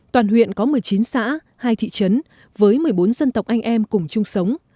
toàn huyện có một mươi chín xã hai thị trấn với một mươi bốn dân tộc anh em cùng chung sống